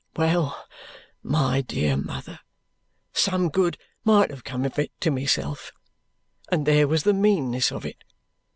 Well, my dear mother, some good might have come of it to myself and there was the meanness of it.